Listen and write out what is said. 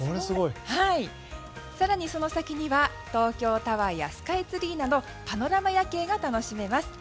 更にその先には東京タワーやスカイツリーなどパノラマ夜景が楽しめます。